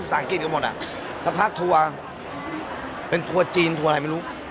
อังกฤษกันหมดอ่ะสักพักทัวร์เป็นทัวร์จีนทัวร์อะไรไม่รู้